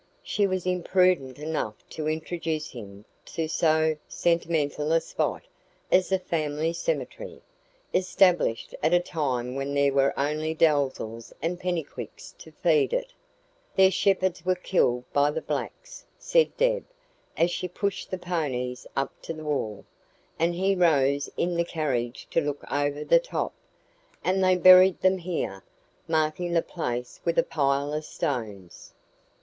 She was imprudent enough to introduce him to so sentimental a spot as the family cemetery established at a time when there were only Dalzells and Pennycuicks to feed it. "Their shepherds were killed by the blacks," said Deb, as she pushed the ponies up to the wall, and he rose in the carriage to look over the top, "and they buried them here, marking the place with a pile of stones.